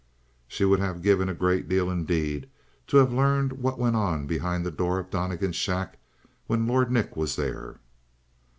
She would have given a great deal indeed to have learned what went on behind the door of Donnegan's shack when Lord Nick was there.